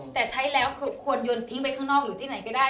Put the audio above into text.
แต่ใช้แล้วคือควรโยนทิ้งไปข้างนอกหรือที่ไหนก็ได้